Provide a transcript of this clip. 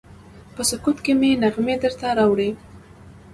په سکوت کې مې نغمې درته راوړي